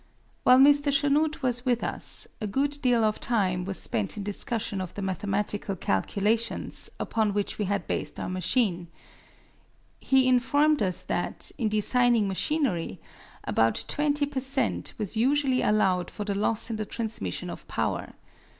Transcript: While Mr. Chanute was with us, a good deal of time was spent in discussion of the mathematical calculations upon which we had based our machine. He informed us that, in designing machinery, about 20 per cent. was usually allowed for the loss in the transmission of power.